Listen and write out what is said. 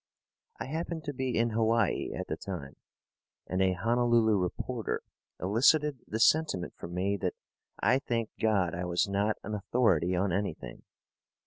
I happened to be in Hawaii at the time, and a Honolulu reporter elicited the sentiment from me that I thanked God I was not an authority on anything.